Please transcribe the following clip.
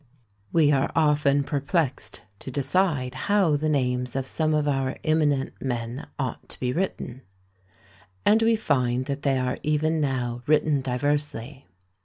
We are often perplexed to decide how the names of some of our eminent men ought to be written; and we find that they are even now written diversely.